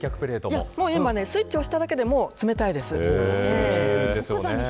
今、スイッチを押しただけでも冷たいです。